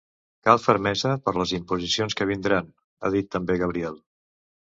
Cal fermesa per les imposicions que vindran –ha dit també Gabriel–.